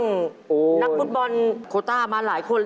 นักบุ๊คบอลโคตรเต้ามาหลายคน